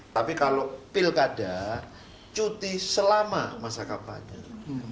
tapi kalau pil kada cuti selama masa kampanye